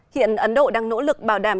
hiện ấn độ đang nỗ lực bảo đảm